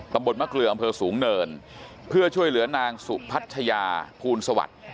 ตำบลมะเกลืออำเภอสูงเนินเพื่อช่วยเหลือนางสุพัชยาภูลสวัสดิ์